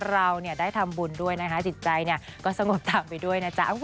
เราได้ทำบุญด้วยนะคะจิตใจก็สงบตามไปด้วยนะจ๊ะ